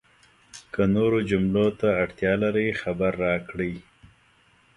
که نورو جملو ته اړتیا لرئ، خبر راکړئ!